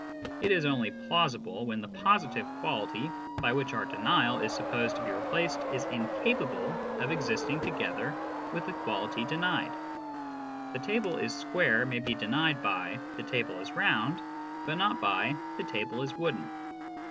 It is only plausible when the positive quality by which our denial is supposed to be replaced is incapable of existing together with the quality denied. " The table is square " may be denied by " the table is round," but not by " the table is wooden."